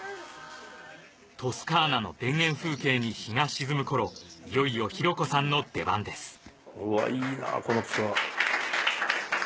トスカーナの田園風景に日が沈む頃いよいよ紘子さんの出番です